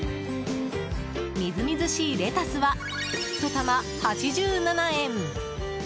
みずみずしいレタスはひと玉８７円！